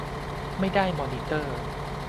ไม่ได้มอนิเตอร์